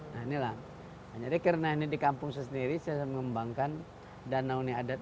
nah inilah hanya di karena ini di kampung sesendiri saya mengembangkan danau nih adat